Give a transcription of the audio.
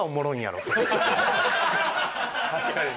確かにね。